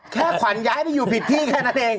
แค่ขวัญย้ายไปอยู่ผิดที่แค่นั้นเอง